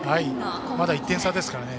まだ１点差ですからね。